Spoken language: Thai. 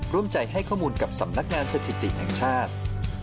ร่วมใจให้ข้อมูลกับสำนักงานสถิติแห่งชาติ